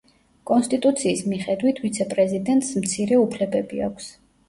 კონსტიტუციის მიხედვით ვიცე-პრეზიდენტს მცირე უფლებები აქვს.